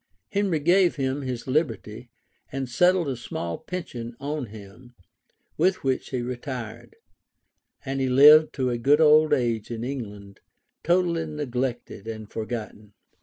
[*] Henry gave him his liberty, and settled a small pension on him, with which he retired; and he lived to a good old age in England, totally neglected and forgotten.